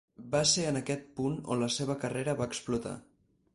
Va ser en aquest punt on la seva carrera va explotar.